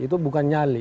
itu bukan nyali